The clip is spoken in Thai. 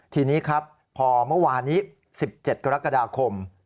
ทีนี้ครับพอเมื่อวานนี้๑๗กรกฎาคม